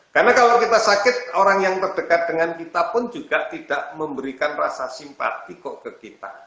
karena kalau kita sakit orang yang terdekat dengan kita pun juga tidak memberikan rasa simpati kok ke kita